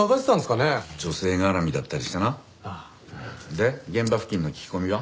で現場付近の聞き込みは？